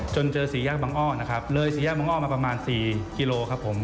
เจอสี่แยกบังอ้อนะครับเลยสี่แยกบังอ้อมาประมาณ๔กิโลครับผม